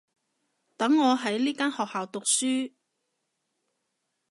等我喺呢間學校讀書